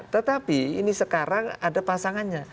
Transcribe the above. tetapi ini sekarang ada pasangannya